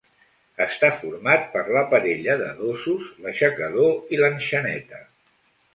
Està format per la parella de dosos, l'aixecador i l'enxaneta.